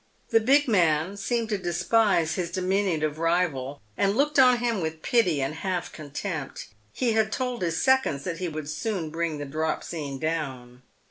The big man seemed to despise his diminutive rival, and looked on him with pity and half contempt ; he had told his seconds that he would soon bring the drop scene down.